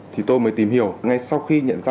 thì tôi mới tìm hiểu ngay sau khi nhận ra